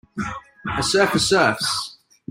a surfer surfs.